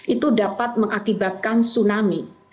itu dapat mengakibatkan tsunami